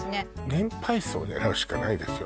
年配層を狙うしかないですよ